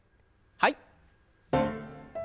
はい。